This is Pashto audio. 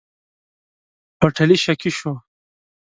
هوټلي شکي شو.